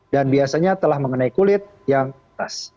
dan biasanya telah mengenai kulit yang keras